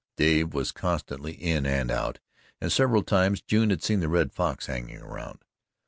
Dave was constantly in and out, and several times June had seen the Red Fox hanging around.